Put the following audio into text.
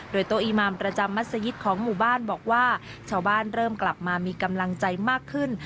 โดยโต๊อีมามประจำมัศยิตของหมู่บ้านบอกว่าชาวบ้านเริ่มกลับมามีกำลังใจมากขึ้น